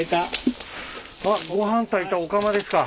あごはん炊いたお釜ですか。